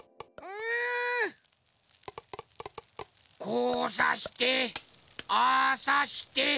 こうさしてああさして。